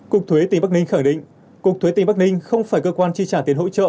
cục thuế tỉnh bắc ninh khẳng định cục thuế tỉnh bắc ninh không phải cơ quan chi trả tiền hỗ trợ